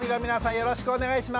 よろしくお願いします。